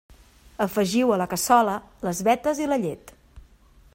Afegiu a la cassola les vetes i la llet.